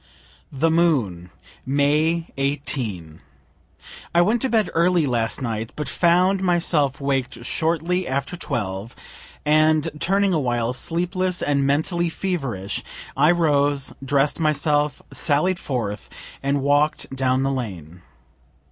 THE MOON. May 18. I went to bed early last night, but found myself waked shortly after 12, and, turning awhile, sleepless and mentally feverish, I rose, dress'd myself, sallied forth and walk'd down the lane.